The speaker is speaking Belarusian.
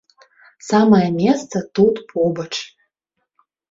Самае месца, тут побач.